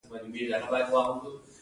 دلته سرعت او ارتفاع مهم رول لري.